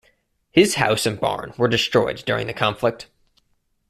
His house and barn were destroyed during the conflict.